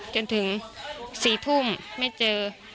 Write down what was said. จนถึง๔ทุ่มไม่เจอ